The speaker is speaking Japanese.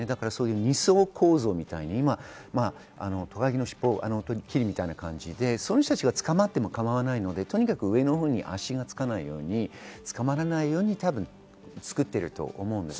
２層構造みたいに、トカゲの尻尾切りみたいな感じで、その人たちが捕まっても構わないので、上の方に足がつかないように捕まらないように多分作っていると思うんです。